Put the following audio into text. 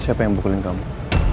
siapa yang bukulin kamu